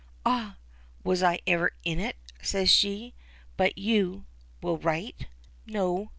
"Ah! was I ever in it?" says she. "But you will write?" "No.